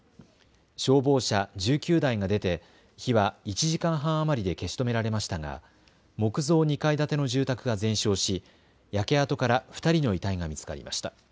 消防車１９台が出て火は１時間半余りで消し止められましたが木造２階建ての住宅が全焼し焼け跡から２人の遺体が見つかりました。